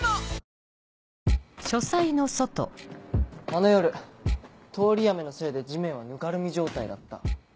あの夜通り雨のせいで地面はぬかるみ状態だった。